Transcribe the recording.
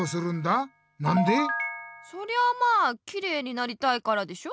そりゃまあきれいになりたいからでしょ？